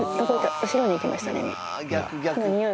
後ろに行きましたね